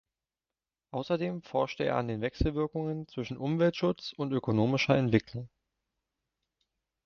Außerdem forschte er an den Wechselwirkungen zwischen Umwelt(schutz) und ökonomischer Entwicklung.